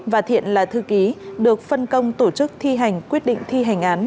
và thiện là thư ký được phân công tổ chức thi hành quyết định thi hành án